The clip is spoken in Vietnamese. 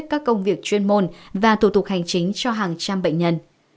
chỉ còn các công việc chuyên môn và thủ tục hành chính cho hàng trăm bệnh nhân